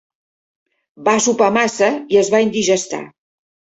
Va sopar massa i es va indigestar.